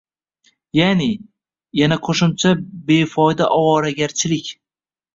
Ya’ni, yana qo‘shimcha befoyda ovoragarchilik